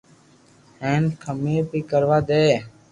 ھين ڪمي بي ڪروا دي